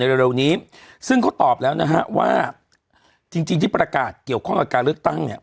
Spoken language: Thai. เร็วนี้ซึ่งเขาตอบแล้วนะฮะว่าจริงจริงที่ประกาศเกี่ยวข้องกับการเลือกตั้งเนี่ย